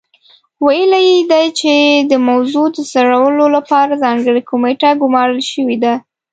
ویلي یې دي چې د موضوع د څېړلو لپاره ځانګړې کمېټه ګمارل شوې ده.